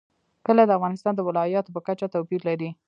کلي د افغانستان د ولایاتو په کچه توپیر لري.